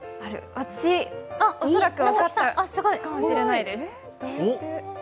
私恐らく分かったかもしれないです。